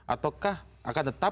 ataukah akan tetap